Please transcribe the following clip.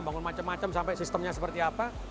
bangun macam macam sampai sistemnya seperti apa